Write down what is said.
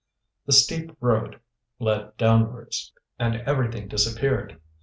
The steep road led downwards, and everything disappeared.